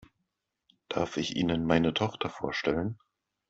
Darf ich Ihnen meine Tochter vorstellen?